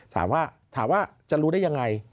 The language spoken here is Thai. ถามว่าจะรู้ได้ยังไง